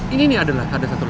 ini ini ini ada lah ada satu